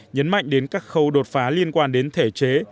nhấn mạnh đến các khâu đột phá liên quan đến thể chế